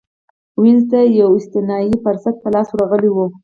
وینز ته یو استثنايي فرصت په لاس ورغلی و.